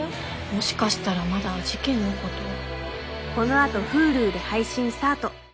もしかしたらまだ事件のことを。